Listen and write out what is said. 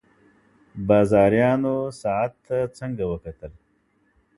بازاريانو ساعت ته څنګه وکتل؟